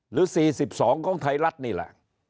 หรือ๔๒ของไทยรัฐนี่แหละ